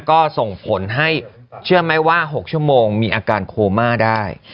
ก็ส่งผลให้เชื่อไหมว่า๖ชั่วโมงมีอาการโคม่าได้